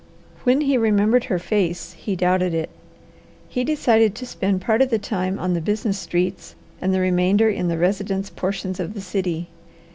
When he remembered her face he doubted it. He decided to spend part of the time on the business streets and the remainder in the residence portions of the city.